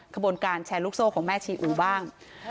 ขบวนการแชร์ลูกโซ่ของแม่ชีอูบ้าง